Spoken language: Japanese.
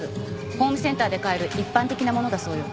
ホームセンターで買える一般的なものだそうよ。